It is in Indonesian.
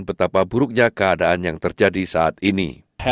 betapa buruknya keadaan yang terjadi saat ini